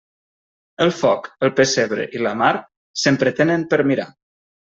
El foc, el pessebre i la mar sempre tenen per mirar.